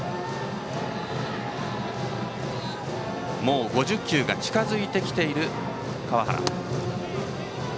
もう５０球が近づいている川原。